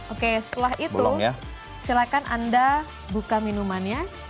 oke setelah itu silakan anda buka minumannya